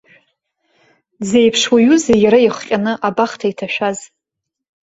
Дзеиԥш уаҩузеи, иара ихҟьаны, абахҭа иҭашәаз.